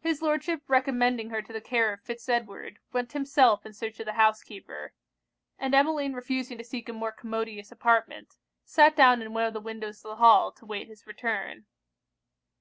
His Lordship recommending her to the care of Fitz Edward, went himself in search of the housekeeper; and Emmeline refusing to seek a more commodious apartment, sat down in one of the windows of the hall to wait his return.